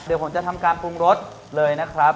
เดี๋ยวผมจะทำการปรุงรสเลยนะครับ